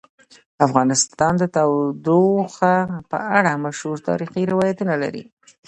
افغانستان د تودوخه په اړه مشهور تاریخی روایتونه لري.